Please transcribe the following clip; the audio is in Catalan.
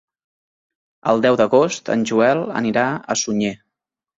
El deu d'agost en Joel anirà a Sunyer.